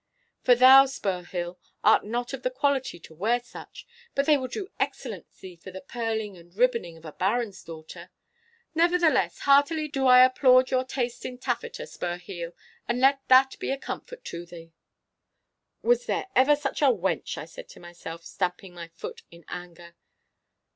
For thou, Spurheel, art not of the quality to wear such, but they will do excellently for the pearling and ribboning of a baron's daughter. Nevertheless, heartily do I applaud your taste in taffeta, Spurheel, and let that be a comfort to thee.' 'Was there ever such a wench?' I said to myself, stamping my foot in anger.